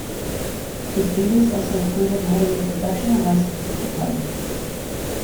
His duties also included heading the production and licensing departments.